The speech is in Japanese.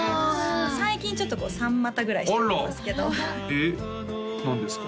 最近ちょっとこう三股ぐらいしてますけどえっ何ですか？